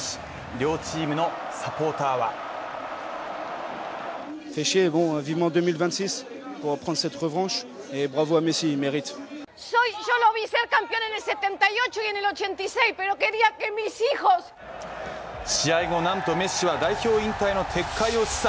両チームのサポーターは試合後、なんとメッシは代表引退の撤回を示唆。